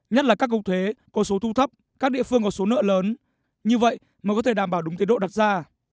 nhất là các cục thuế có số thu thấp các địa phương có số nợ lớn như vậy mới có thể đảm bảo đúng tiến độ đặt ra